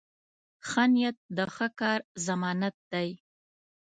ښه نیت د ښه کار ضمانت دی.